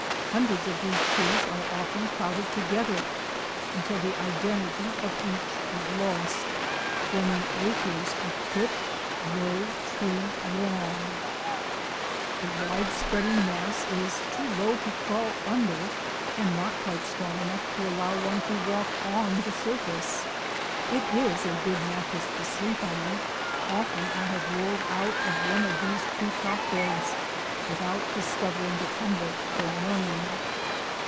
Hundreds of these trees are often crowded together until the identity of each is lost, forming acres of clipped, low tree lawn. The wide spreading mass is too low to crawl under and not quite strong enough to allow one to walk on the 7 o THE ADVENTURES OF A NATURE GUIDE surface. It is a good mattress to sleep on; often I have rolled out of one of these tree top beds with out discovering the tumble till morning!